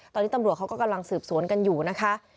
ตอนนี้ตำรวจเขาก็กำลังสืบสวนกันอยู่นะคะ